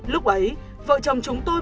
lúc ấy vợ chồng chúng tôi